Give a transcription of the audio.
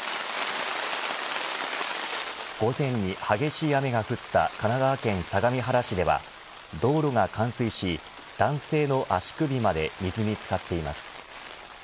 午前に激しい雨が降った神奈川県相模原市では道路が冠水し男性の足首まで水に漬かっています。